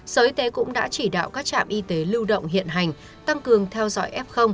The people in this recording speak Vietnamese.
sở y tế cũng đã chỉ đạo các trạm y tế lưu động hiện hành tăng cường theo dõi f